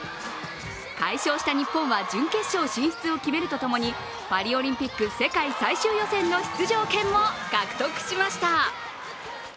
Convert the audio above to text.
快勝した日本は準決勝進出を決めるとともにパリオリンピック世界最終予選の出場権も獲得しました。